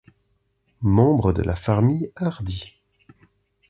Membre de la famille Hardy.